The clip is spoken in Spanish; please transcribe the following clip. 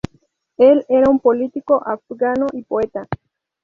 Él era un político afgano y poeta.